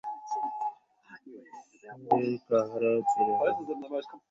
শরীর কাহারও চিরকাল থাকিবে না।